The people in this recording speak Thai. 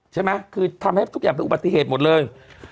ใช่ไหมคือทำให้ทุกอย่างเป็นอุบัติเหตุหมดเลย